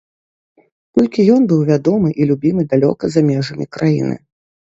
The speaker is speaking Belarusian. Толькі ён быў вядомы і любімы далёка за межамі краіны.